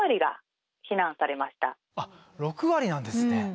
６割なんですね。